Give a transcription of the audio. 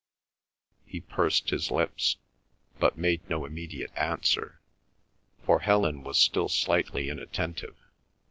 He pursed his lips, but made no immediate answer, for Helen was still slightly inattentive.